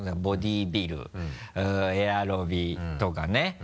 ボディビルエアロビとかね。